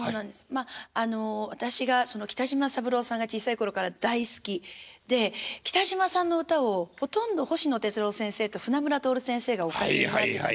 まああの私が北島三郎さんが小さい頃から大好きで北島さんの歌をほとんど星野哲郎先生と船村徹先生がお書きになってたんですね。